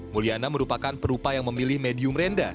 mulyana merupakan perupa yang memilih medium renda